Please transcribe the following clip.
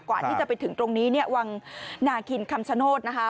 กว่าที่จะไปถึงตรงนี้เนี่ยวังนาคินคำชโนธนะคะ